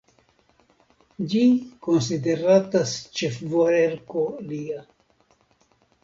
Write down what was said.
Ĝi konsideratas ĉefverko lia.